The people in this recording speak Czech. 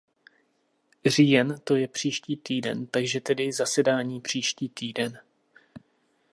Říjen, to je příští týden, takže tedy zasedání příští týden.